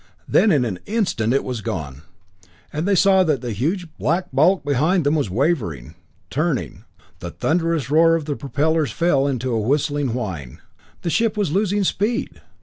Then in an instant it was gone and they saw that the huge black bulk behind them was wavering, turning; the thunderous roar of the propellers fell to a whistling whine; the ship was losing speed!